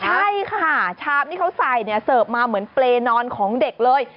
ใช่ค่ะชามที่เขาใส่เนี่ยเสิร์ฟมาเหมือนเปรย์นอนของเด็กเลย